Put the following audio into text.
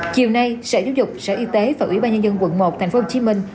chiều nay sở giáo dục sở y tế và ủy ban nhân dân quận một thành phố hồ chí minh